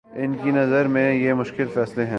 ان کی نظر میں یہ مشکل فیصلے ہیں؟